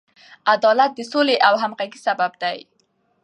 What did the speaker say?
عدالت د سولې او همغږۍ سبب دی.